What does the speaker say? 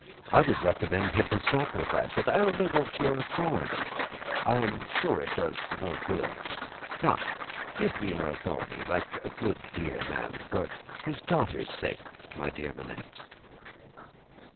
"I would recommend him to sacrifice it. I only want your authority. I am sure it does no good. Come! Give me your authority, like a dear good man. For his daughter's sake, my dear Manette!"